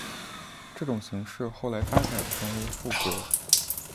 这种形式后来发展成为了赋格。